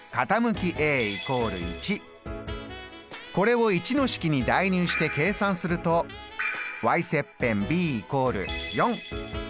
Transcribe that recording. これを①の式に代入して計算すると切片ｂ＝４。